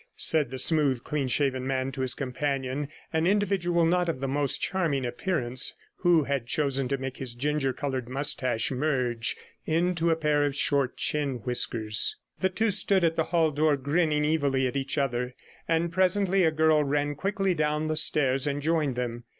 said the smooth, clean shaven man to his companion, an individual not of the most charming appearance, who had chosen to make his ginger coloured moustache merge into a pair of short chin whiskers. The two stood at the hall door, grinning evilly at each other; and presently a girl ran quickly down the stairs and joined them.